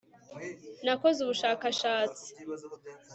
nakoze ubushakashatsi